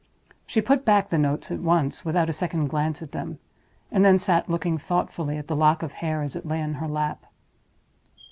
She put back the notes at once, without a second glance at them, and then sat looking thoughtfully at the lock of hair as it lay on her lap.